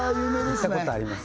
行ったことあります？